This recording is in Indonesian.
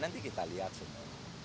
nanti kita lihat semua